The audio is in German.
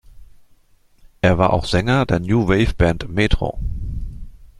Er war auch Sänger der New Wave Band Metro.